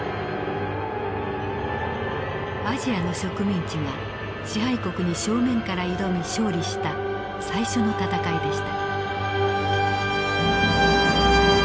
アジアの植民地が支配国に正面から挑み勝利した最初の戦いでした。